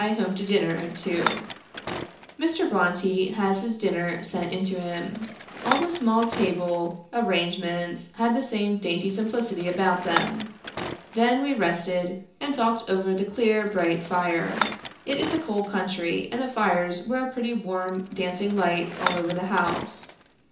Home to dinner at two. Mr. Brontë has his dinner sent into him. All the small table arrangements had the same dainty simplicity about them. Then we rested, and talked over the clear, bright fire; it is a cold country, and the fires were a pretty warm dancing light all over the house.